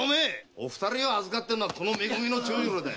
お二人を預かってるのはめ組の長次郎だ。